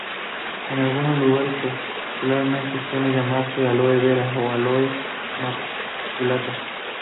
En algunos lugares popularmente suele llamarse "Aloe vera" o "Aloe maculata".